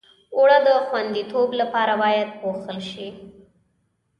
اوړه د خوندیتوب لپاره باید پوښل شي